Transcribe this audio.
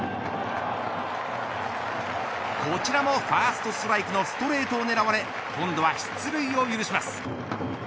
こちらもファーストストライクのストレートを狙われ今度は、出塁を許します。